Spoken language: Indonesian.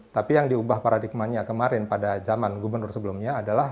tapi yang diubah paradigmanya kemarin pada zaman gubernur sebelumnya adalah